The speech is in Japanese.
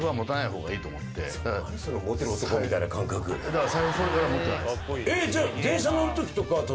だから財布それから持ってない。